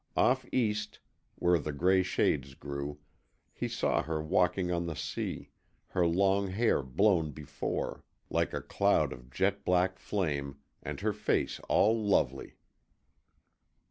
Off east, where the gray shades grew, he saw her walking on the sea, her long hair blown before, like a cloud of jet black flame, and her face all lovely.